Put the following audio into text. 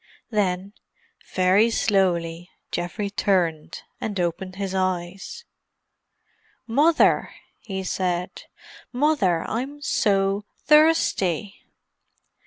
Then, very slowly, Geoffrey turned, and opened his eyes. "Mother!" he said. "Mother, I'm so thirsty!"